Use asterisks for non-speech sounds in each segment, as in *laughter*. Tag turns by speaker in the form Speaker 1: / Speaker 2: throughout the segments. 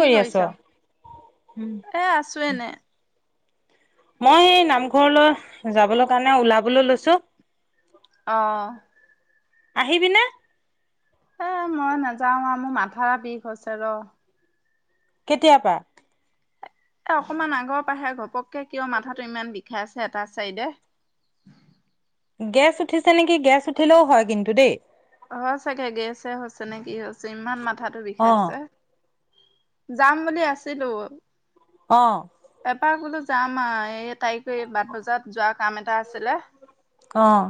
Speaker 1: কি
Speaker 2: কৰি আছ?
Speaker 1: কৰিছ? এ আছোনে?
Speaker 2: মই এই নামঘৰলৈ যাবলৈ কাৰণে ওলাবলৈ লৈছো।
Speaker 1: অহ,
Speaker 2: আহিবি নে?
Speaker 1: এ মই নাযাওঁ আৰু মোৰ মাথা বিষ হৈছে ৰ
Speaker 2: কেতিয় পা।
Speaker 1: এ অকমান আগৰ পাহে ঘপককে কিয় মাথাটো ইমান বিষাই আছে এটা চাইডে।
Speaker 2: গেছ উঠিছে নেকি গেছ উঠিলেও হয় কিন্তু দেই।
Speaker 1: অ' চাগে গে আছে হৈছে নে কি হৈছে? ইমান মাথাো বিষাই
Speaker 2: অ',
Speaker 1: আছে যাম বুলি আছিলো
Speaker 2: অ',
Speaker 1: এপাৰ গলো যাম এই তাৰিখ বাট বজাত যোৱাৰ কাম এটা আছিলে
Speaker 2: অঁ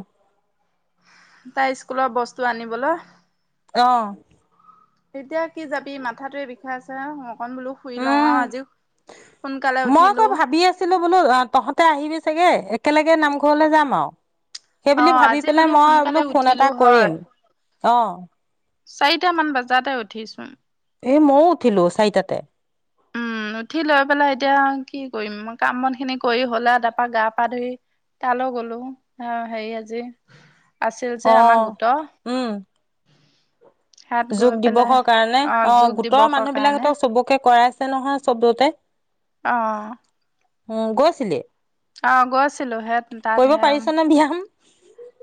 Speaker 1: তাই স্কুলৰ বস্তু তো আনিবলৈ
Speaker 2: আহ
Speaker 1: এতিয়া কি যাবি মাথাটোোৱে ভচা
Speaker 2: উম
Speaker 1: সোনকালে
Speaker 2: মই
Speaker 1: উঠিলো।
Speaker 2: আকৌ ভাবি আছিলো বোলো আহ তহঁতে আহিবি চাগে একেলগে নামঘৰলৈ যাম আৰু সেইব
Speaker 1: অ'
Speaker 2: ভাবি
Speaker 1: আজি
Speaker 2: পেলাই
Speaker 1: মানে
Speaker 2: মই
Speaker 1: সোনকালে
Speaker 2: বোলো ফোন
Speaker 1: উঠিলো
Speaker 2: এটা
Speaker 1: হয়।
Speaker 2: কৰিম অ
Speaker 1: চাৰিটা মান বজাতে উঠিছো
Speaker 2: এ মইও উঠিলো চাৰিটাতে
Speaker 1: উম উঠি লৈ পেলাই এতিয়া কি কৰিম কাম মন খিনি কৰি হলে তাৰপা গা পা ধুই তালৈ গলো আহ হেৰি আজি আছিল যে আমাৰ
Speaker 2: অ',
Speaker 1: গোট
Speaker 2: উম। যোগ দিৱসৰ কাৰণে অ
Speaker 1: যোগ
Speaker 2: গোটৰ
Speaker 1: দিৱসৰ
Speaker 2: মানুহ বিিলাক
Speaker 1: কাৰণে
Speaker 2: হতক চবকে কৰাইছে আছে নহয় শব্দতে
Speaker 1: আহ
Speaker 2: উম গোছিলিলি
Speaker 1: আহ গৈছিলো হে তাত হে
Speaker 2: পাৰিছ নে ব্যায়াম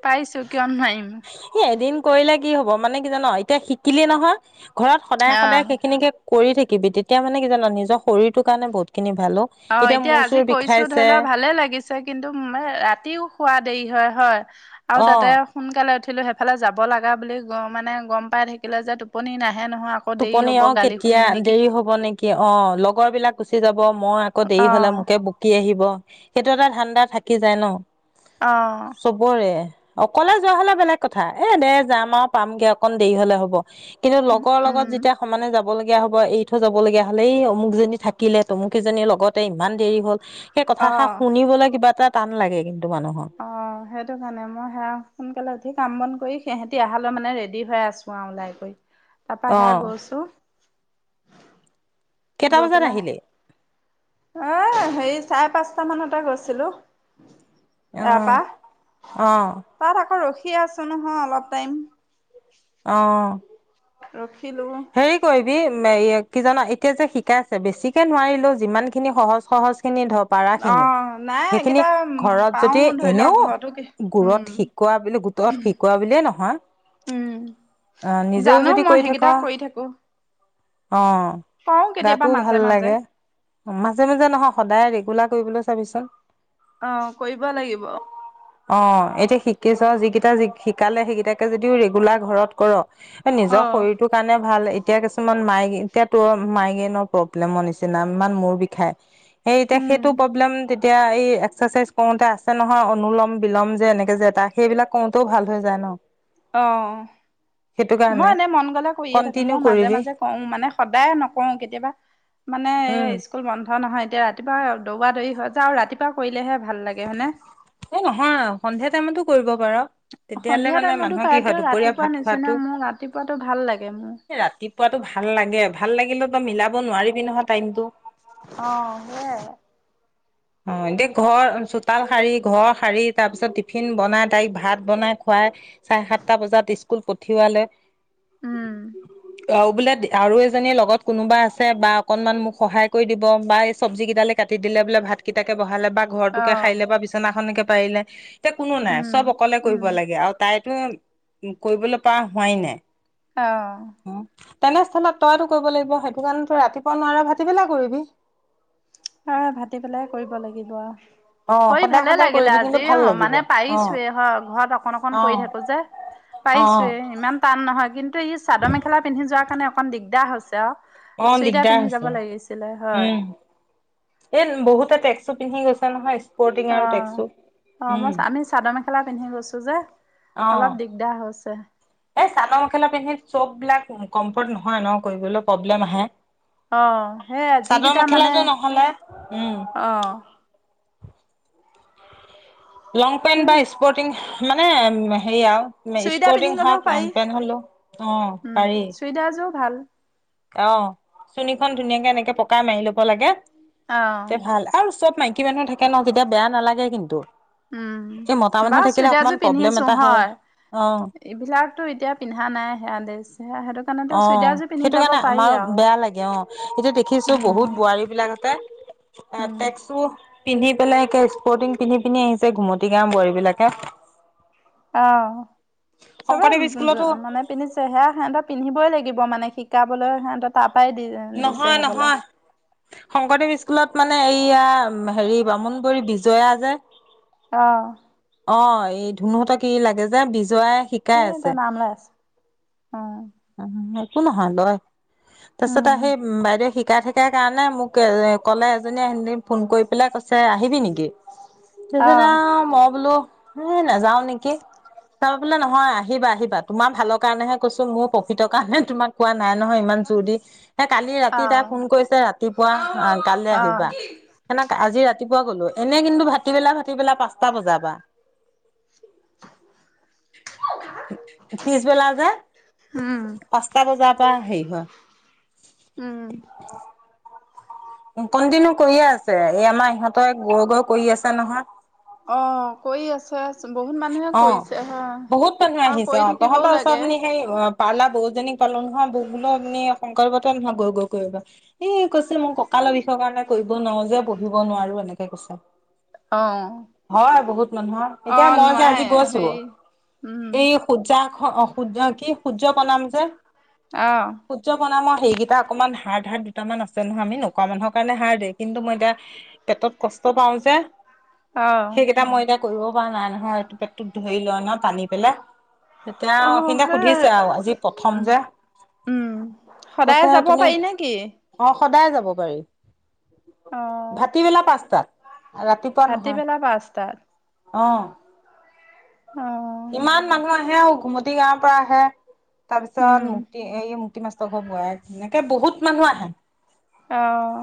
Speaker 1: পাইছো কিয় নোৱাৰিম
Speaker 2: ান আ তেতিয়া শিকিলেই নহয় ঘৰত সদায় সদায়
Speaker 1: অ
Speaker 2: সেইখিনিকে কৰি থাকিবি তেতিয়া মানে কি জান নিজৰ শৰীৰটোৰ কাৰণে বহুত খিনি ভাল
Speaker 1: অ এতিয়া
Speaker 2: মূৰ
Speaker 1: আজি
Speaker 2: চুৰ
Speaker 1: কৈছো ধৰি
Speaker 2: বিষাইছে
Speaker 1: লোৱা ভালে লাগিছে কিন্তু ৰাতিও খোৱাদ দেই হয় হয় আৰু
Speaker 2: অ
Speaker 1: তাতে সোনকালে ছিলো সেইফালে যাব লগা বুলি মানে গম পাই থাকিলে যে টোপনি নাহ
Speaker 2: টোপনি অ কেতিয়া দেৰি হব নেকি অ অ লগৰ বিলাক গুচি যাব হ মই আকৌ দেৰি
Speaker 1: অ
Speaker 2: হলে মোকে বুকি আহিব সেইটো এটা ধান্দা থাকি যায় ন
Speaker 1: অ
Speaker 2: চবৰে অকলে যোৱা হলে বেলেগ কথা এ দে যাম আৰু পামগে অকন দেৰি হলে হ'ব কিন্তু লগৰ লগত
Speaker 1: উম
Speaker 2: যেতিয়া সমানে যাব যাব লগগীয়া হ'ব এই থ যাব লগগীয়া হলে এই অমুকজনী থাকিলে তমুক কেইজনীৰ লগতে ইমান দেৰি হল সেই
Speaker 1: অ
Speaker 2: কথাষ শুনিবলৈ কিবা এটা টান লাগে কিন্তু মানুহৰ
Speaker 1: অ সেইটো কাৰণে মই সেয়া সোনকালে উঠি কাম বন কৰি সিহঁতি আহহালৈ মানে ৰেড হৈ আছোঁ আৰু ওলাই কৰি তাৰাপা
Speaker 2: অ
Speaker 1: সেয়া গৈছো
Speaker 2: কেইটা
Speaker 1: গৈ
Speaker 2: বজাত
Speaker 1: পেলাই
Speaker 2: আহিলে
Speaker 1: এ হেৰি চাৰে পাঁচটা মানতে গৈছিলো
Speaker 2: অ
Speaker 1: এপা
Speaker 2: অ
Speaker 1: তাতাত আকৌ ৰখি শিক কি আছো নহয় অলপ টাইম
Speaker 2: আহ
Speaker 1: ৰখিলো
Speaker 2: কি জ এতিয়া যে শিকাই আছে বেছিকে নোৱাৰিলেও যিমান খিনি সহজ সহজ খিনি ধ পাৰা
Speaker 1: অ
Speaker 2: খিনি
Speaker 1: নাই
Speaker 2: সেইখিনি
Speaker 1: এইকেইটা
Speaker 2: ঘৰত
Speaker 1: পাও
Speaker 2: যদি
Speaker 1: ধৰি
Speaker 2: এনেও
Speaker 1: লওক ঘৰতো কি
Speaker 2: গৰত
Speaker 1: উম
Speaker 2: শিকোৱা বুলি গোটত শিকোৱা বুলিয়ে নহয় আহ নিজেও
Speaker 1: জানো
Speaker 2: যদি
Speaker 1: মই
Speaker 2: কৈ
Speaker 1: সেইকেইটা
Speaker 2: থকাা
Speaker 1: কৰি থাকো
Speaker 2: অঁ
Speaker 1: কওঁ কেতিয়াবা
Speaker 2: গাটোও
Speaker 1: মাজে
Speaker 2: ভাল
Speaker 1: মাজে
Speaker 2: লাগে মাজে মাজে নহয় সদায় ৰেগুলাৰ কৰিবলৈ চাবিছ
Speaker 1: অ কৰিব লাগিব
Speaker 2: অ এতিয়া শিক কি চ যিিকেইটা য শিকালে সেইকেইটাকে যদি ৰেগুলাৰ ঘৰত কৰক
Speaker 1: অ
Speaker 2: নিজৰ শৰীৰটোৰ কাৰণে ভাল এতিয়া কিছুমান মাই এতিয়া তোৰ মাইকেনৰ প্ৰব্লেমৰ নিচিনা ইমান মূৰ বিষায় সেই এতিয়া সেইটো প্ৰব্লেম এতিয়া এই এক্সাৰচাইজ কৰোতে আছে নহয় অনলম বিলম যে এনেকে যে এটা সেইবিলাক কৰোতেও ভাল হৈ যায় ন
Speaker 1: অ
Speaker 2: সেইটো কাৰণে
Speaker 1: মই এনে মন গলে কৰিয়ে থাকো
Speaker 2: কন্টিনিউ
Speaker 1: মই মাজে
Speaker 2: কৰিবি
Speaker 1: মাজে কো মানে সদায় নকো কেতিয়াবা মানে এ
Speaker 2: উম
Speaker 1: স্কুল বন্ধ নহয় এতিয়া ৰাতিপুৱা দৌব দৌৰি হয় যা ৰাতিপুৱা কৰিলেহে ভাল লাগে হয়েনে
Speaker 2: এ নহয় সন্ধিয়া টাইমতো কৰিব তেতিয়াহলে
Speaker 1: সন্ধিয়া
Speaker 2: মানে
Speaker 1: টাইমতো
Speaker 2: মানুহৰ
Speaker 1: পায়
Speaker 2: কি হয়
Speaker 1: তেওঁ
Speaker 2: দুপৰীয়া
Speaker 1: ৰাতিপুৱা
Speaker 2: ভাত
Speaker 1: নিচিনা
Speaker 2: খোৱাটো
Speaker 1: মোৰ ৰাতিপুৱাতো ভাল লাগে মোৰ
Speaker 2: ৰাতিপুৱাতটো ভাল লাগে আৰু ভাল লাগিলে তো মিলাব নোৱাৰিবি নহয় টাইমতটো
Speaker 1: অ' সেইয়াই আৰু।
Speaker 2: অ' এতিয়া ঘৰ চোতাল সাৰি ঘৰ সাৰি তাৰ পিছত টিফিন বনাই তাইক ভাত বনাই খুৱাই চাৰে সাতটা বজাত স্কুল পঠিওৱালে
Speaker 1: উম
Speaker 2: *unintelligible* অঁ বোলে আৰু এজনীৰ লগত কোনোবা আছে বা অকনমান মোক সহায় কৰি দিব বা এই চব্জি কেইডালে কাটি দিলে বোলে ভাত কিতাকে ব ভালে বা ঘৰটোকে সাৰিলে
Speaker 1: অ',
Speaker 2: বা বিছনাখনেকে পাইলে এতিয়া কোনো নাই চব
Speaker 1: উম,
Speaker 2: অকলে
Speaker 1: উম,
Speaker 2: কৰিব লাগে, আৰু তাই টো উ কৰিবলৈ পৰা হোৱাই নাই।
Speaker 1: অঁ
Speaker 2: তেনেস্থলত তইতো কৰিব লাগিব, সেইটো কাৰণে তই ৰাতিপুৱা নোৱাৰ ভাটি বেলা কৰিবি।
Speaker 1: আৰু ভাতি বেলাহে কৰিব লাগিব।
Speaker 2: অ
Speaker 1: কৰি
Speaker 2: সদায়
Speaker 1: ভালে
Speaker 2: সদায়
Speaker 1: লাগিলে
Speaker 2: কৰিবি কিন্তু
Speaker 1: আজি,
Speaker 2: ভাল লাগিব
Speaker 1: মানে
Speaker 2: অ
Speaker 1: পাৰিছোয়ে ঘৰত অকন-অকন
Speaker 2: অ
Speaker 1: কৰি থাকো যে
Speaker 2: অ
Speaker 1: পাৰিছোৱে ইমান টান নহয়। কিন্তু কিন্তু ই চাদৰ মেখেলা পিন্ধি যোৱা কাৰণে অকন দিগদাৰ হৈছে আৰু।
Speaker 2: অ
Speaker 1: চুইদাৰ
Speaker 2: দিগদাৰ
Speaker 1: পিন্ধি
Speaker 2: হৈছে
Speaker 1: যাব লাগিছিলে হয়।
Speaker 2: এ বহুতে টেক্সো পিন্ধি গৈছে নহয়। স্পৰ্টিং আৰু টেক্সু
Speaker 1: অ'-অ মই
Speaker 2: উম
Speaker 1: আমি চাদৰ মেখেলা পিন্ধি গৈছো যে,
Speaker 2: অ
Speaker 1: অলপ দিগদাৰ হৈছে।
Speaker 2: এই চাদৰ মেখেলা পিন্ধি চব বিলাক কম্ফৰ্ট নহয় ন কৰিবলৈ প্ৰব্লেম আহে।
Speaker 1: অঁহ সেই
Speaker 2: চাদৰ
Speaker 1: যিকেইটা মানে,
Speaker 2: মেখেলাযোৰ নহ'লে উম
Speaker 1: অঁ।
Speaker 2: লং পেণ্ট বা স্পৰ্টিং মানে হেৰি আৰু
Speaker 1: চুইদাৰ পিন্ধি
Speaker 2: স্পৰ্টিং
Speaker 1: গ'লেও
Speaker 2: হক
Speaker 1: পাৰি
Speaker 2: পেন্ট হলেও, অ
Speaker 1: উম,
Speaker 2: পাৰি।
Speaker 1: চুইদাৰযোৰ ভাল।
Speaker 2: অঁ চুণীখন ধুনীয়াকে এনেকে পকাই মাৰি লব লাগে
Speaker 1: অ'।
Speaker 2: তে ভাল আৰু চব মাই কি মানুহ থাকে ন তেতিয়া বেয়া নালাগে কিন্তু। এই মতা
Speaker 1: উম
Speaker 2: মানুহ
Speaker 1: বাৰু
Speaker 2: থাকিলে অকমান
Speaker 1: চুইদাৰযোৰ
Speaker 2: প্ৰব্লেম
Speaker 1: পিন্ধিছো
Speaker 2: এটা
Speaker 1: হয়,
Speaker 2: অ
Speaker 1: এইবিলাকতো এতিয়া পিন্ধা নাই সেয়া দেছ।
Speaker 2: অ' সেইটো কাৰণে আমাৰো
Speaker 1: আৰু।
Speaker 2: বেয়া লাগে অ, এতিয়া দেখিছো বহুত
Speaker 1: উম
Speaker 2: বোৱাৰী বিলাক আছে এ
Speaker 1: উম
Speaker 2: টেকচো পিন্ধি পেলাই একে স্পৰ্টিং পিন্ধি- পিন্ধি আহিছে ঘুমতি গাওৰ বোৱাৰী বিলাকে।
Speaker 1: অ' চবেই
Speaker 2: শংকৰদেৱ স্কুলতো
Speaker 1: মানে পিন্ধিছে, সেয়া সিহতৰ পিন্ধিবই লাগিব মানে, শিকাবলৈ সিহঁতৰ তাপ
Speaker 2: নহয় নহয় শংকৰদেৱ স্কুলত মানে এইয়া হেৰি বামুণ বুলি বিজয়া যে
Speaker 1: অহ
Speaker 2: অহ এই ধুনুহতক কি লাগে যে বি যোৱাই শিকাই আছে
Speaker 1: অহ
Speaker 2: উম একো নহয় লৰাই তাৰ পিছত
Speaker 1: উম
Speaker 2: আহ বাইদেউ শিক তাত শিকাই কাৰণে মোক ক'লে এজনীয়ে এদিন ফোন কৰি পেলাই কৈছে আহিবি নেকি তাৰ পিছত আহ মই বোলো এহ নাযাও নেকি চাব বোলে নহয় আহিবা আহিবা তোমাৰ ভালৰ কাৰণেহে কৈছো মোক প্ৰফিটৰ কাৰণে তোমাক কোৱা নাই নহয় ইমান জোৰ দি সেই কালি ৰাতি তাই
Speaker 1: আহ
Speaker 2: ফোন কৰিছে ৰাতিপুৱা কাইলৈ
Speaker 1: আহ
Speaker 2: আহিবা সে আজি ৰাতি ৰাতিপুৱা গলো এনে কিন্তু ভাটিবেলা ভাটিবেলা পাঁচটা বজাৰ পৰা, পিছবেলা যে
Speaker 1: উম
Speaker 2: পাঁচটা বজাৰ পৰা হেৰি
Speaker 1: উম
Speaker 2: হয় কনটিনিও কৰিয়ে আছে এই আমাৰ ইহঁতেৰ গৰু গৈ কৰি আছে নহয়
Speaker 1: ফাষ্ট্ বহুত মানুহে
Speaker 2: অ
Speaker 1: কৰিছে হা
Speaker 2: বহুত মানুহ
Speaker 1: আৰু কৰি থাকিবও লাগে-
Speaker 2: পালাৰৰ বৌ জনিক পালো নহয় বুবুলৰ মানে শংকয়ৰ *unintelligible* গৈ গৈ কৰিব এই কৈছে মোক কঁকালৰ বিষয়ৰ কাৰণে কৰিব নোৱাৰো যে বহিব নোৱাৰো এনেকে কৈছে
Speaker 1: অ'।
Speaker 2: হয় বহুত মানুহৰ এতিয়া
Speaker 1: অ',
Speaker 2: মই যে আজি
Speaker 1: নোৱাৰে
Speaker 2: গৈছো
Speaker 1: হেৰি উম।
Speaker 2: এই সূৰ্যাক, অসূৰ্য কি সূৰ্য প্ৰনাম যে
Speaker 1: অ',
Speaker 2: সূৰ্য প্ৰণাম আহে সেইকেইটা অকনমান হাৰড হাৰড দুটামান আছে নহয় আমি নোকোৱা মানুহৰ কাৰণে হাৰড দে কিন্তু মই এতিয়া পেটত কষ্ট পাওঁ যে
Speaker 1: অ',
Speaker 2: সেইকেইটা মইতাক কৰিব যোৱা নাই নহয় এইটো পেটটোত ধৰি লোৱা নহ পানী পেলাই তেতিয়া
Speaker 1: অ',
Speaker 2: সিহঁতে
Speaker 1: সেই
Speaker 2: সুধিছে আৰু আজি প্ৰথম যে
Speaker 1: উম, সদায়
Speaker 2: কৈছে
Speaker 1: যাব
Speaker 2: তুমি
Speaker 1: পাৰি নেকি?
Speaker 2: অ সদায় যাব পাৰি।
Speaker 1: অ',
Speaker 2: ভাতিবেলা পাঁচটাত, ৰাতিপুৱা নহয়।
Speaker 1: ভাটিবেলা পাঁচটাত।
Speaker 2: অহ
Speaker 1: অ',
Speaker 2: সেয়াও ঘুমুতি গাঁৱৰ পৰা আহে
Speaker 1: উম,
Speaker 2: তাৰপিছত মুক্তি এই মুক্তি *unintelligible* এনেকে বহুত মানুহ আহে।
Speaker 1: অহ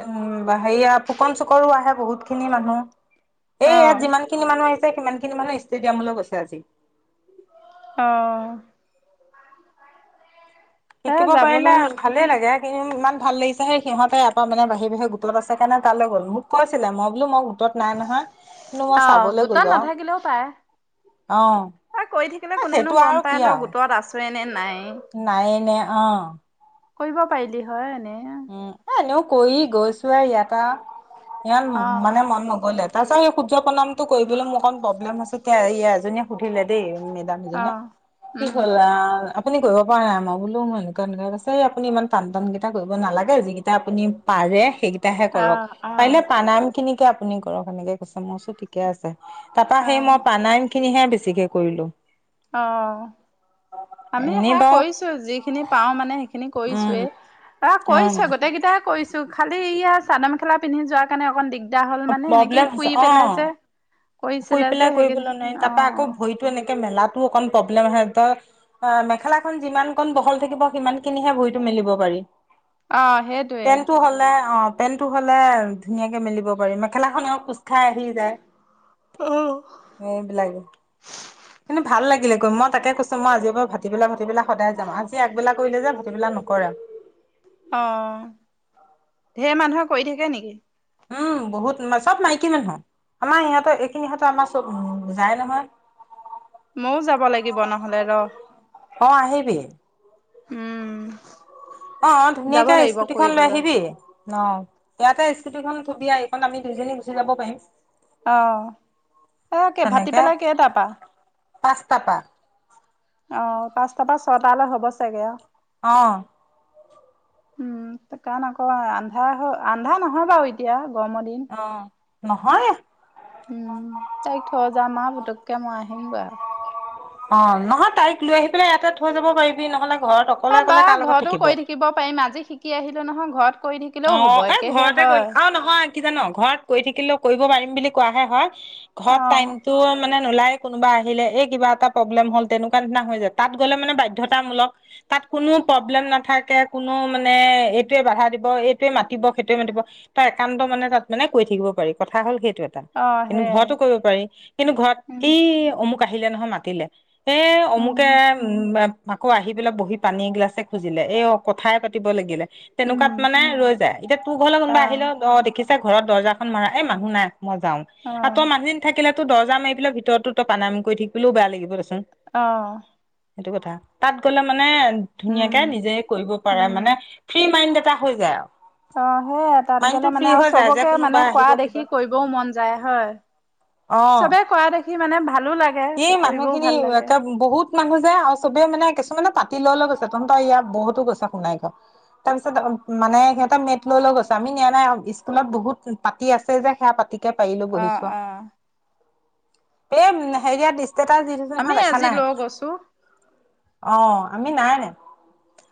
Speaker 2: উম হেৰিয়া ফুকন চুকনো আহে বহুত খিনি মানুহ। এ ইয়াত
Speaker 1: অ',
Speaker 2: যিমান খিনি মানুহ আহিছে। সমান খিনি মানুহ ষ্টেডিয়ামলৈ গৈছে আজি।
Speaker 1: অহ। এ
Speaker 2: শিকিব পাৰিলে
Speaker 1: যাবলৈ
Speaker 2: ভালেই লাগে। স ইমান ভাল লাগিছে সেই সিহঁতে এবাৰ মানে বাহিয়ে-বাহিয়ে গোটত আছে কাৰণে তালৈ গ'ল মোক কৈছিলে। মই বোলো মই নাই নহয় কিন্তু মই
Speaker 1: অ',
Speaker 2: চাবলৈ
Speaker 1: গোটত
Speaker 2: গলো
Speaker 1: নাথাকিলেও পায়।
Speaker 2: আৰু
Speaker 1: এ কৰি থাকিলে
Speaker 2: অ'
Speaker 1: কোনেনো
Speaker 2: সেইটো
Speaker 1: গম
Speaker 2: আৰু
Speaker 1: পায়
Speaker 2: কি
Speaker 1: তই
Speaker 2: আৰু।
Speaker 1: গোটত আছই নে নাই।
Speaker 2: নাইনে অ
Speaker 1: কৰিব পাৰিলি হয় এনে
Speaker 2: উম, এ এনেও কৰি গৈছোৱে ইয়াতে আৰু। ই মানে
Speaker 1: অ',
Speaker 2: মন নগলে তাৰ সূৰ্য্য প্ৰণামটো কৰিবলৈ মোৰ অকণ প্ৰব্লেম হৈছে তেয়া এই এজনীয়ে সুধিলে দেই মেদাম এজনীয়ে
Speaker 1: অ',
Speaker 2: কি
Speaker 1: উম,
Speaker 2: হল আ' আপুনি কৰিব পৰা নাই মই বোলো এনেকুৱা এনেকুৱা কৈছে আপুনি ইমান টান-টান কেইটা কৰিব নালাগে যিকেইটা আপুনি পাৰে সেই সেইকেইটা হে কৰক
Speaker 1: অ', অ',
Speaker 2: পাৰিলে প্ৰণাম খিনিকে আপুনি ঘৰ এনেকৈছে মই কৈছোঁ ঠিকে আছে। তাৰাপা সেই
Speaker 1: অ',
Speaker 2: মই প্ৰানাইম খিনি হে বেছিকে কৰিলো।
Speaker 1: অ আমি
Speaker 2: এনেই
Speaker 1: সে
Speaker 2: বাৰু
Speaker 1: কৰিছো যিখিনি পাও মানে সেইখিনি
Speaker 2: উম
Speaker 1: কৰিছোয়েই। অহ, কৈছ
Speaker 2: অ
Speaker 1: গোটেই কেইটা কৰিছো খালি এয়া চাদৰ মেলা পিন্ধি যোৱাৰ কাৰণে অকণ দিগ দিয়া হ'ল মানে এনেকেই
Speaker 2: প্ৰব্লেম হৈছে
Speaker 1: শুই
Speaker 2: অ
Speaker 1: পেলাই যে
Speaker 2: শুই
Speaker 1: কৰিছিলে যে
Speaker 2: পেলাই
Speaker 1: সেইকেই
Speaker 2: কৰিবলৈ নোৱাৰি
Speaker 1: অ
Speaker 2: তাৰাপা আকৌ ভৰিতো এনেকে মেলাতো অকন প্ৰব্লেম আহে তত মেখেলাখন যিমান কণ বহল থাকিব সিমান খিনিহে বহতো মেলিব পাৰি।
Speaker 1: অ সেইটোৱে।
Speaker 2: পেনটো হলে অ, পেনটো হ'লে ধুনীয়াকে মেলিব পাৰি মেখেলা খ কোচ খাই আহি যায়। সেইবিলাগ। কিন্তু ভাল লাগিলে মই তাকে কৈছো মই আজি পৰা ভাতিবেলা-ভাতিবেলা। সদায় যাম আজি আগবেলা কৰিলো যে। সেইবিলাক নকৰা।
Speaker 1: অ ঢেৰ মানুহে কৰি থাকে নেকি?
Speaker 2: উম বহুত ম চব মাইকী মানুহ আমাৰ ইহঁতৰ এইখিনি ইহঁতৰ আমাৰ চব যায় নহয়।
Speaker 1: ময়ো যাব লাগিব নহলে ৰ।
Speaker 2: অহ, আহিবি।
Speaker 1: উম,
Speaker 2: অহ,
Speaker 1: যাব
Speaker 2: ধুনীয়াকে
Speaker 1: লাগিব
Speaker 2: স্কুটিখন লৈ
Speaker 1: কৰিবলৈ।
Speaker 2: আহিবি। ন ইয়াতে স্কুটিখন থবি আহি এইখন আমি দুইজনী গুচি যাব পাৰিম।
Speaker 1: অহ, এ', কে ভাটি
Speaker 2: তেনেকে
Speaker 1: বেলা কেইটাৰ পা?
Speaker 2: পাঁচটা পা
Speaker 1: অ', পাঁচটাৰ পৰা ছয়টালৈ হ'ব চাগে আৰু,
Speaker 2: অহ,
Speaker 1: উম, কাৰণ আক আন্ধাৰ হয়, আন্ধা নহয় বাৰু এতিয়া। গৰমৰ দিন
Speaker 2: অ নহয়
Speaker 1: উম, তাইক থৈ যাম আহ পুতক, তাকে মই আহিম বাৰু।
Speaker 2: অ' নহয় তাইক লৈ আহি পেলাই ইয়াতে থৈ যাব পাৰিবি নহলে, ঘৰত অকলে
Speaker 1: এ ', বা
Speaker 2: অকলে কাৰ লগত
Speaker 1: ঘৰতো কৰি থাকিব পাৰিম, আজি শিকি আহিলো নহয়। ঘৰ,
Speaker 2: অহ, ' এ ঘৰতে কৰিলি আৰু নহয় কি জান', ঘৰত কৰি থাকিলেও কৰিব পাৰিম, বুলি কোৱাহে হয়।
Speaker 1: অ
Speaker 2: ঘৰত টাইমটো মানে, নুলাই কোনোবা আহিলে, এই কিবা এটা প্ৰব্লেম হল, এ তেনেকুৱা ধৰনে হৈ যায়, তাত গলে মানে বাধ্যতামূলক, তাত কোনো প্ৰব্লেম নাথাকে, কোনো মানে এইটোয়ে বাধা দিব। ত 'এইটোয়ে মাতিব, সেইটোয়ে মাতিব তাৰ একান্ত মনে তাত মানে কৰি থাকিব পাৰি কথা হ'ল সেই। এইটো এটা
Speaker 1: অ
Speaker 2: কিন্তু
Speaker 1: সেইয়াই
Speaker 2: ঘৰতো কৰিব পাৰি কিন্তু ঘৰত
Speaker 1: উম
Speaker 2: কি অমুক, কাহিলে নহয় মাতিলে এই
Speaker 1: উম
Speaker 2: অমুকে উম, আকৌ আহি পেলাই বহি পানী এগিলাছে খুজিলে এই কথাই পাতিব লাগিলে। তাত
Speaker 1: উম
Speaker 2: মানে ৰৈ যায় এতিয়া তোৰ ঘৰলে
Speaker 1: অ
Speaker 2: কোনোবা আহিলে অ' দেখিছ, ঘৰত দৰ্জাখন মাৰা এই মানুহ নাই। মই যাও
Speaker 1: অ
Speaker 2: আ 'তৰ মানুহিন থাকিলেতো দৰ্জা মাৰিব, লাক ভিতৰততো প্ৰানায়াম কৰি থাকিলও বেয়া লাগিব দেচোন।
Speaker 1: অহ,
Speaker 2: সেইটো কথা তাত গ'লে মানে, -
Speaker 1: উম
Speaker 2: ধুনীয়াকে নিজে কৰিব পাৰে মানে
Speaker 1: উম
Speaker 2: ফ্ৰী মাইন্ড, তা হৈ যায় আৰু।
Speaker 1: অ', সেয়া তাত গলে
Speaker 2: মাইণ্ডটো
Speaker 1: মানে
Speaker 2: ফ্ৰী
Speaker 1: আৰু
Speaker 2: হৈ যায় যে
Speaker 1: চবকে মানে
Speaker 2: কোনোবা
Speaker 1: কোৱা
Speaker 2: আহিব
Speaker 1: দেখি
Speaker 2: কিবা
Speaker 1: কৰিবও মন যায় হয়,
Speaker 2: অ
Speaker 1: চবে কৰা দেখি মানে ভালো লাগে।
Speaker 2: এই
Speaker 1: কৰিবও
Speaker 2: মানুহখিনি
Speaker 1: ভাল লাগে
Speaker 2: একে বহুত মানুহ যায় আৰু চবে মানে, মানে পাতি লৈ- লৈ গৈছে তহঁনতৰ ইয়াত বহুতো গৈছে সোনাই গাঁও। তাৰপিছত মানে সিহঁতে মেট লৈ লৈ গৈছে আমি নিয়া নাই। স্কুলত বহুত পাতি আছে যে সেয়া পাতি, কে পাৰিলো
Speaker 1: অ
Speaker 2: বহিছো আৰু।
Speaker 1: অ
Speaker 2: এই, হেৰিয়া দি, ষ্টেটাছ দি থৈছে
Speaker 1: আমি
Speaker 2: নহয় দেখা
Speaker 1: আজি
Speaker 2: নাই?
Speaker 1: লৈ গৈছো
Speaker 2: অ', আমি নাই ন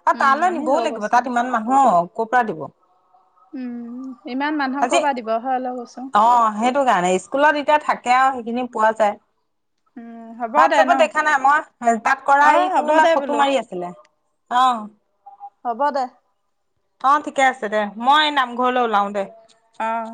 Speaker 2: আৰু
Speaker 1: উম
Speaker 2: তালৈ
Speaker 1: আমি
Speaker 2: নিবও
Speaker 1: লৈ
Speaker 2: লাগিব
Speaker 1: গৈছো
Speaker 2: তাত ইমান মানুহক ক'ৰ পৰা দিব?
Speaker 1: উম ইমান মানুহক
Speaker 2: আজি,
Speaker 1: ক'ৰপা দিব হয় লৈ গৈছো
Speaker 2: অ', সেইটো কাৰণে স্কুলত এতিয়া থাক তাকে আৰু সেইখিনি পোৱা যায়।
Speaker 1: উম হ'ব দে ন
Speaker 2: হোৱাটছএপত দেখা নাই মই তাত কৰা
Speaker 1: অ
Speaker 2: এই
Speaker 1: হ'ব
Speaker 2: কোনোবা
Speaker 1: দে বোলো
Speaker 2: ফটো মাৰি আছিলে। অ'।
Speaker 1: হ'ব দে।
Speaker 2: অ', ঠিকে আছে দে মই নামঘৰলৈ ওলাও দে।
Speaker 1: অহ।